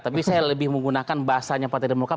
tapi saya lebih menggunakan bahasanya partai demokrat